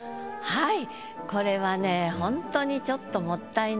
はい。